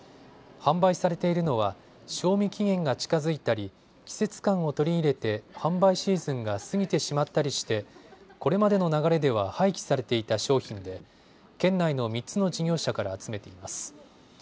販売されているのは賞味期限が近づいたり季節感を取り入れて販売シーズンが過ぎてしまったりしてこれまでの流れでは廃棄されていた商品で県内の３つの事業者から集めています。